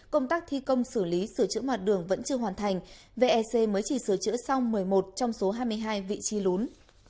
công tác thi công xử lý sửa chữa mặt đường vẫn chưa hoàn thành vec mới chỉ sửa chữa xong một mươi một trong số hai mươi hai vị trí lún